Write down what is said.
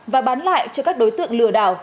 và bán lại cho các đối tượng lừa đảo